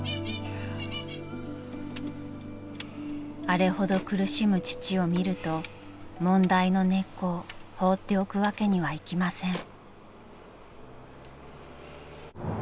［あれほど苦しむ父を見ると問題の根っこを放っておくわけにはいきません］